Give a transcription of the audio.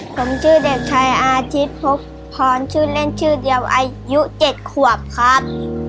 ผมชื่อเด็กชายอาทิตย์พบพรชื่อเล่นชื่อเดียวอายุ๗ขวบครับ